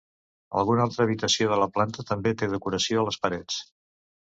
Alguna altra habitació de la planta també té decoració a les parets.